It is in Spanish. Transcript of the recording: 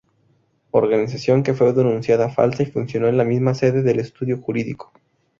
Organización que fue denunciada falsa y funcionó en la misma sede del estudio jurídico.